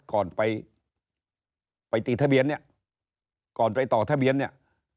ก่อนไปไปตีทะเบียนเนี่ยก่อนไปต่อทะเบียนเนี่ย